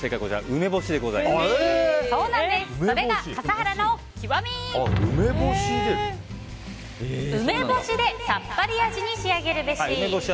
梅干しでさっぱり味に仕上げるべし。